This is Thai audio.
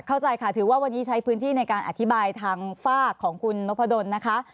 เข้าใจค่ะถือว่าวันนี้ใช้พื้นที่ในการอธิบายทางฝากของคุณนพดลนะคะ